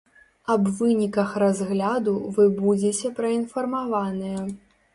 Аб выніках разгляду вы будзеце праінфармаваныя.